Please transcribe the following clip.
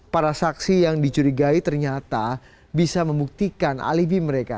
para saksi yang dicurigai ternyata bisa membuktikan alibi mereka